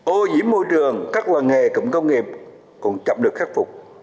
ôi dĩ môi trường các loài nghề cộng công nghiệp còn chậm được khắc phục